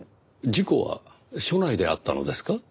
事故は署内であったのですか？